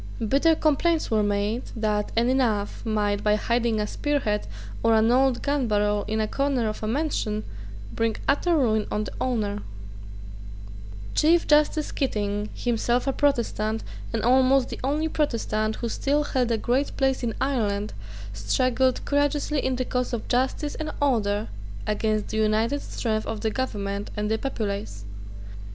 Bitter complaints were made that any knave might, by hiding a spear head or an old gun barrel in a corner of a mansion, bring utter ruin on the owner, Chief Justice Keating, himself a Protestant, and almost the only Protestant who still held a great place in Ireland, struggled courageously in the cause of justice and order against the united strength of the government and the populace.